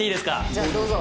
じゃあどうぞ。